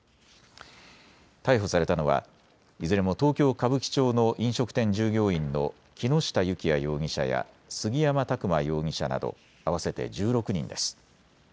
逮捕されたのは、いずれも東京歌舞伎町の飲食店従業員の木下幸也容疑者や杉山琢馬容疑者など合わせて１６人です。